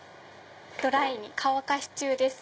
ドライに乾かし中です